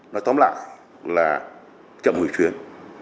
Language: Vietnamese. nói tóm lại là chậm hủy chuyến